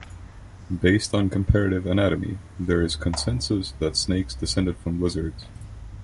Based on comparative anatomy, there is consensus that snakes descended from lizards.